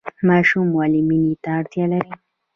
ماشوم ولې مینې ته اړتیا لري؟